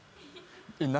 何？